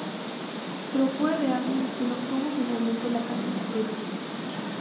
Pero fue Reagan quien obtuvo finalmente la candidatura.